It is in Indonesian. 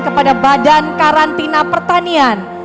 kepada badan karantina pertanian